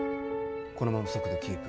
このまま速度キープ。